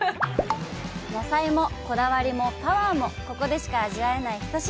野菜もこだわりもパワーもここでしか味わえない一品。